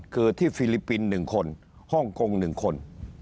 คือที่ฟิลิปปินส์๑คนฮ่องกง๑คน